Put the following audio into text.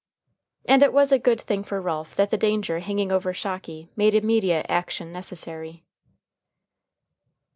And it was a good thing for Ralph that the danger hanging over Shocky made immediate action necessary.